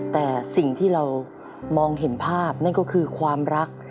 แต่สิ่งที่เรามองเห็นภาพนั่นก็คือความรัก